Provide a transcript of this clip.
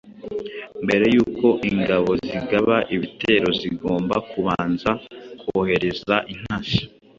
Mbere y’uko ingabo zigaba ibitero zigomba kubanza kohereza intasi,